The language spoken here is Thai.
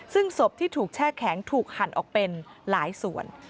ซึ่งศพที่ถูกแช่แข็งถูกหั่นออกเป็นหลายส่วน